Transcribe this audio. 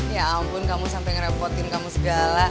ya ampun kamu sampai ngerepotin kamu segala